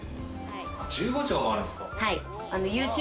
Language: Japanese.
１５帖あるんですか。